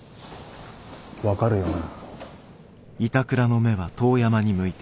分かるよな？